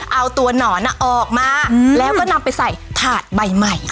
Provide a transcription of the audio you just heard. เอาตัวหนอนออกมาแล้วก็นำไปใส่ถาดใบใหม่